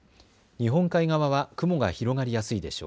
日本海側は雲が広がりやすいでしょう。